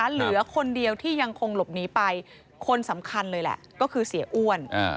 เหลือคนเดียวที่ยังคงหลบหนีไปคนสำคัญเลยแหละก็คือเสียอ้วน